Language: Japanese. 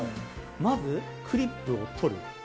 まず、クリップを取る。